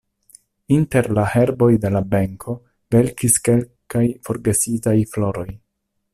Inter la herboj de la benko velkis kelkaj forgesitaj floroj.